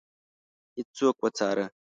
هیڅوک وڅاره.